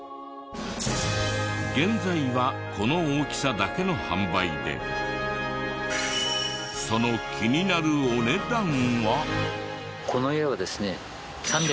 現在はこの大きさだけの販売でその気になるお値段は？